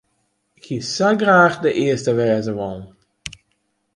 Ik hie sa graach de earste wêze wollen.